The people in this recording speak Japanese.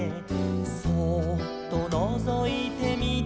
「そうっとのぞいてみてました」